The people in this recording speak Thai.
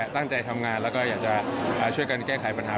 ตั้งใจทำงานและช่วยกันแก้ไขปัญหา